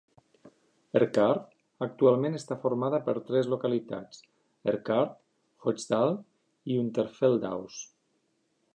Erkrath actualment està formada per tres localitats: Erkrath, Hochdahl i Unterfeldhaus.